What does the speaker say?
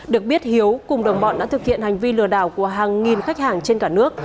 được biết hiếu cùng đồng bọn đã thực hiện hành vi lừa đảo của hàng nghìn khách hàng trên cả nước